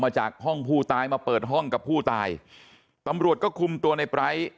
จากห้องผู้ตายมาเปิดห้องกับผู้ตายตำรวจก็คุมตัวในไร้